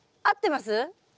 合ってます？